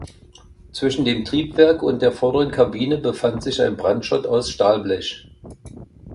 Zwischen dem Triebwerk und der vorderen Kabine befand sich ein Brandschott aus Stahlblech.